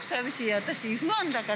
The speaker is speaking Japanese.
私、ファンだから。